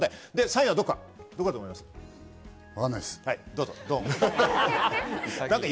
３位はどこだと思いますか？